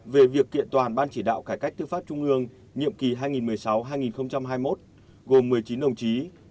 về việc kiện toàn ban chỉ đạo cải cách tư pháp trung ương nhiệm kỳ hai nghìn một mươi sáu hai nghìn hai mươi một gồm một mươi chín đồng chí